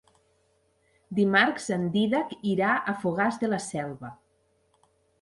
Dimarts en Dídac irà a Fogars de la Selva.